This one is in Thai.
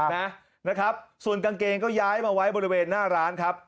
นะครับส่วนกางเกงก็ย้ายมาไว้บริเวณหน้าร้านครับ